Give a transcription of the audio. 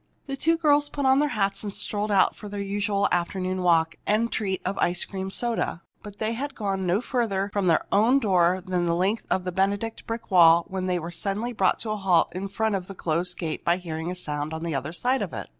The two girls put on their hats and strolled out for their usual afternoon walk and treat of ice cream soda. But they had gone no farther from their own door than the length of the Benedict brick wall when they were suddenly brought to a halt in front of the closed gate by hearing a sound on the other side of it.